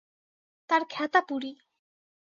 তার খেতা পুড়ি।